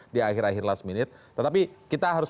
di akhir akhir last minute tetapi kita harus